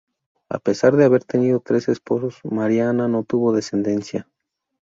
A pesar de haber tenido tres esposos, María Ana no tuvo descendencia.